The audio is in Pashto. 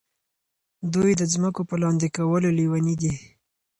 دوی د ځمکو په لاندې کولو لیوني دي.